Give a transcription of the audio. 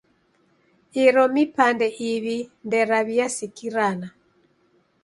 Iro mipande iw'i nderaw'iasikirana.